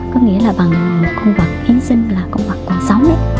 có nghĩa là bằng con vật hiến sinh con vật còn sống